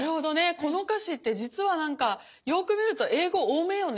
この歌詞って実はなんかよく見ると英語多めよね。